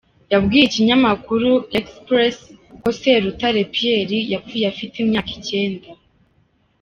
Yabwiye ikinyamakuru L’Express ko se Rutare Pierre yapfuye afite imyaka icyenda.